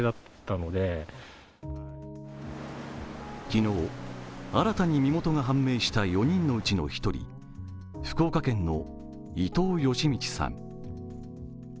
昨日、新たに身元が判明した４人のうちの１人、福岡県の伊藤嘉通さん。